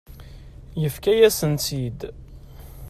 Yefka-yasen-tt-id.